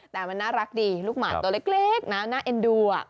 แต่มันน่ารักดีลูกหมาตัวเล็กนะน่าเอ็นดู